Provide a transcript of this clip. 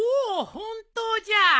本当じゃ。